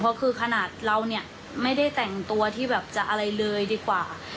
เพราะคือขนาดเราเนี่ยไม่ได้แต่งตัวที่แบบจะอะไรเลยดีกว่า